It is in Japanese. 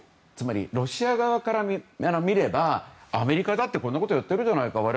つまりロシア側から見ればアメリカだってこんなこと言ってるじゃないか。